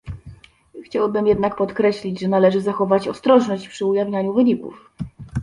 Chciałbym jednak podkreślić, że należy zachować ostrożność przy ujawnianiu wyników